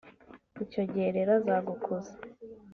icyo gihe rero azagukuza,